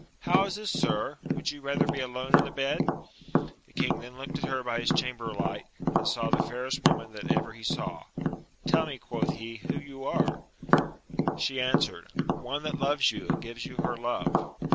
How is this, sir 1 would you rather be alone in the bed ? The king then looked at her by his chamber light, and saw the fairest woman that ever he saw: tell me, quoth he, who you are 1 She answered, one that loves you, and gives you her love.